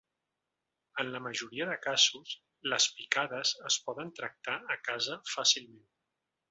En la majoria de casos, les picades es poden tractar a casa fàcilment.